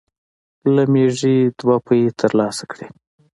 له مېږې دومره پۍ تر لاسه کړې.